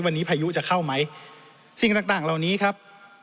วันนี้พายุจะเข้าไหมสิ่งต่างต่างเหล่านี้ครับ